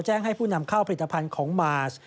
แจ้งให้ผู้นำเข้าผลิตภัณฑ์ของมาร์ส